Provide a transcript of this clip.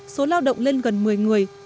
số lao động lên gần một mươi người